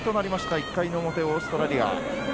１回の表、オーストラリア。